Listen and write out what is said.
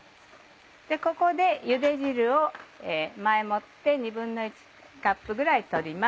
ここでゆで汁を前もって１／２カップぐらい取ります。